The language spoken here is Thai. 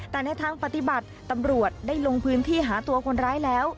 แต่ในทางปฏิบัติตำรวจได้ลงพื้นที่หาตัวคนร้ายแล้ว